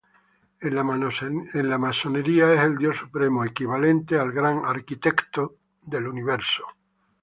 En la Masonería es el Dios Supremo, equivalente al Gran Arquitecto del Universo.